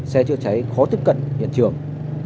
xe chữa cháy khó tiếp cận hiện trường